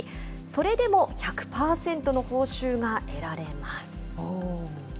それでも１００％の報酬が得られます。